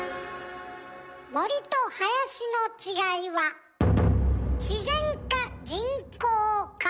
森と林の違いは自然か人工か。